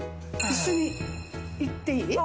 一緒に行っていい？